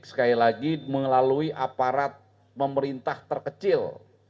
sekali lagi melalui aparat pemerintah terkecil